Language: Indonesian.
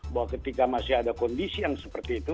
bahwa ketika masih ada kondisi yang seperti itu